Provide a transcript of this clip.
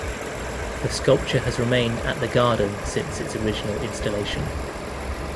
The sculpture has remained at the garden since its original installation.